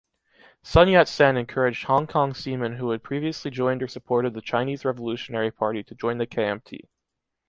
Sun Yat-sen encouraged Hong Kong seamen who had previously joined or supported the Chinese Revolutionary Party to join the KMT.